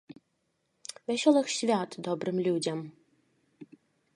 Вясёлых свят добрым людзям!